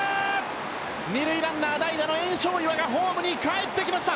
二塁ランナー、代打の焔硝岩がホームに帰ってきました。